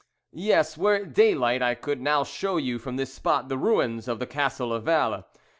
"Yes; were it daylight I could now show you from this spot the ruins of the Castle of Valle.